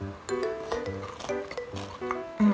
うん。